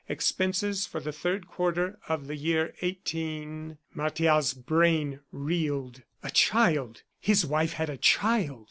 Expenses for the third quarter of the year 18 ." Martial's brain reeled. A child! His wife had a child!